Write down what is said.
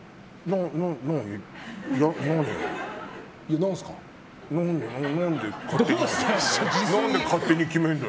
何で勝手に決めるのよ。